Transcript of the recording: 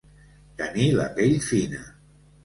Tenir la pell fina.